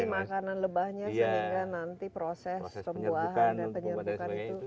makanan lebahnya sehingga nanti proses pembuahan dan penyerbukan itu